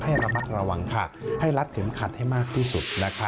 ให้ระมัดระวังค่ะให้รัดเข็มขัดให้มากที่สุดนะคะ